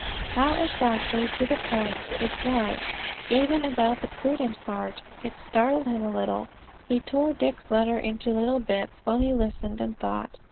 How exactly to the point it was, even about the prudent part. It startled him a little. He tore Dick's letter into little bits, while he listened and thought.